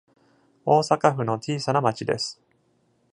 大阪府の小さな町です。